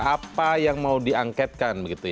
apa yang mau diangketkan